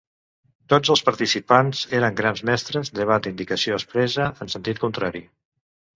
Tots els participants eren Grans Mestres, llevat indicació expressa en sentit contrari.